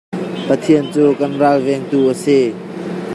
Pathian cu kan ralvengtu a si.